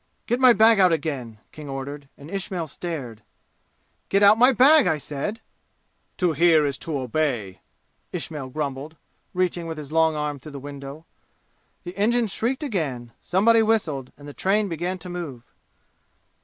"Get my bag out again!" King ordered, and Ismail stared. "Get out my bag, I said!" "To hear is to obey!" Ismail grumbled, reaching with his long arm through the window. The engine shrieked again, somebody whistled, and the train began to move.